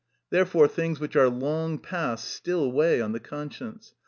Therefore things which are long past still weigh on the conscience.